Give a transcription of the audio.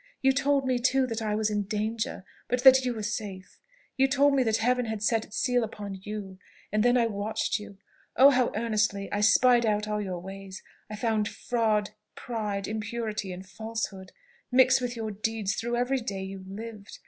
You told me too, that I was in danger, but that you were safe. You told me that Heaven had set its seal upon you. And then I watched you oh, how earnestly! I spied out all your ways! I found fraud, pride, impurity, and falsehood, mix with your deeds through every day you lived!